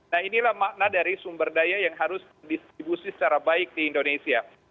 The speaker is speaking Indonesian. nah inilah makna dari sumber daya yang harus distribusi secara baik di indonesia